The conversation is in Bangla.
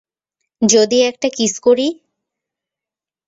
যদি একটা কিস করি?